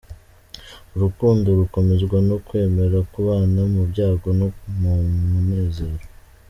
Urukundo rukomezwa no kwemera kubana mu byago no mu munezero.